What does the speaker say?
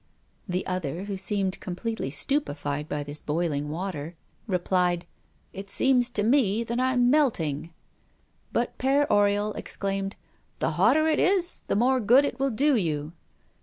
The other, who seemed completely stupefied by this boiling water, replied: "It seems to me that I'm melting!" But Père Oriol exclaimed: "The hotter it is, the more good it will do you."